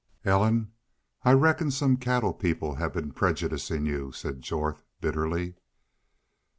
"Ellen, I reckon some cattle people have been prejudicin' you," said Jorth, bitterly.